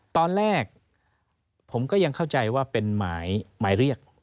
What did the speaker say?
ตอนแรกผมก็ยังเข้าใจว่าเป็นหมายเรียก